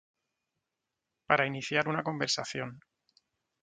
para iniciar una conversación